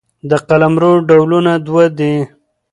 د قلمرو ډولونه دوه دي.